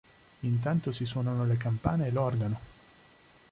Intanto si suonano le campane e l'organo.